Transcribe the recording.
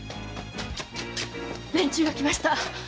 連中が来ました。